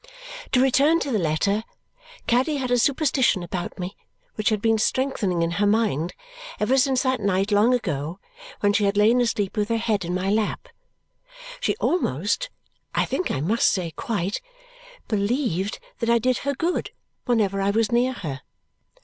To return to the letter. Caddy had a superstition about me which had been strengthening in her mind ever since that night long ago when she had lain asleep with her head in my lap. She almost I think I must say quite believed that I did her good whenever I was near her.